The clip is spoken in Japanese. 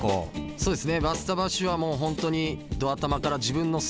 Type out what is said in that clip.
そうですね